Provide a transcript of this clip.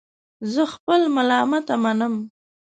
زه خپل ملامتیا منم